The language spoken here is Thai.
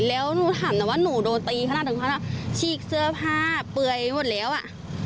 แล้วหนูถามนะว่าหนูโดนตีขนาดถึงขนาดฉีกเสื้อผ้าเปื่อยหมดแล้วอ่ะ